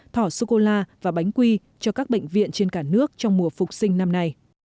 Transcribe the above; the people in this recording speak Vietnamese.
thỏ sô cô la và bánh quy cho các bệnh viện trên cả nước trong mùa phục sinh năm nay